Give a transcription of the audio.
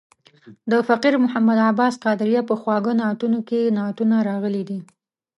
د فقیر محمد عباس قادریه په خواږه نعتونه کې یې نعتونه راغلي دي.